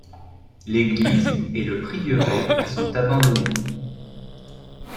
L’église et le prieuré sont abandonnés.